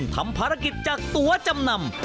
ทำภารกิจจากตัวจำนำ